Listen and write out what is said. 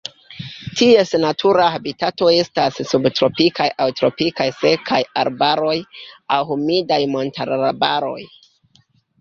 Ties natura habitato estas subtropikaj aŭ tropikaj sekaj arbaroj aŭ humidaj montararbaroj.